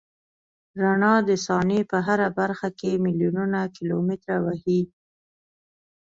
رڼا د ثانیې په هره برخه کې میلیونونه کیلومتره وهي.